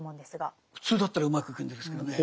普通だったらうまくいくんですけどね